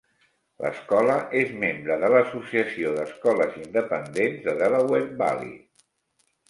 L'escola és membre de l'associació d'escoles independents de Delaware Valley.